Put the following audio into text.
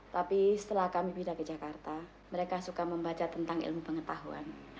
tapi setelah kami pindah ke jakarta mereka suka membaca tentang ilmu pengetahuan